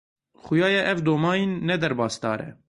Xuya ye ev domaîn nederbasdar e.